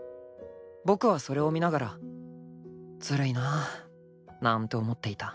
［僕はそれを見ながらずるいななんて思っていた］